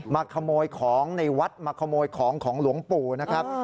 มาขโมยของในวัดมาขโมยของของหลวงปู่นะครับ